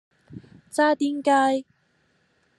渣甸街